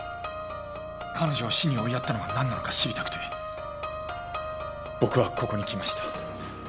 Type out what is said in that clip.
彼女を死に追いやったのがなんなのか知りたくて僕はここに来ました。